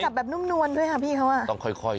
จับแบบนุ่มนวลด้วยครับพี่เขา